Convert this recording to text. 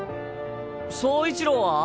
走一郎は？